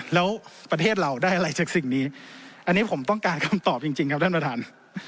แล้วประเทศเราได้อะไรจากสิ่งนี้อันนี้ผมต้องการคำตอบจริงครับท่านประธาน